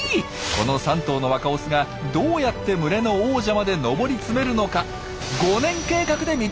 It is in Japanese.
この３頭の若オスがどうやって群れの王者まで上り詰めるのか５年計画で密着しますよ！